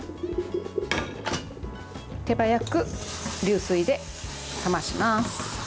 手早く流水で冷まします。